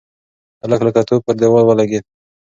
هلک لکه توپ پر دېوال ولگېد.